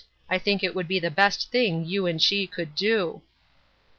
I think it would be the best thing you and she could do.